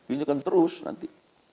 ini kan terus nanti